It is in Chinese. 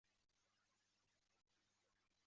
小水鼠属等之数种哺乳动物。